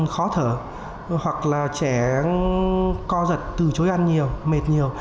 khó thở hoặc là trẻ co giật từ chối ăn nhiều mệt nhiều